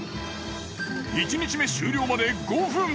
１日目終了まで５分！